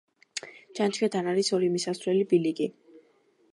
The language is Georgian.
ჩანჩქერთან არის ორი მისასვლელი ბილიკი.